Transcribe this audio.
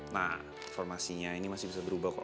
nah formasinya ini masih bisa berubah kok